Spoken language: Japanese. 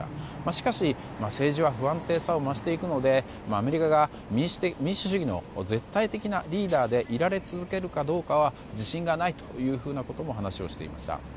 しかし、政治は不安定さを増していくのでアメリカが民主主義の絶対的なリーダーでいられ続けるかどうかは自信がないということも話していました。